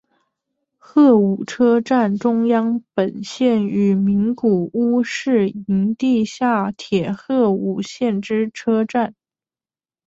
鹤舞车站中央本线与名古屋市营地下铁鹤舞线之车站。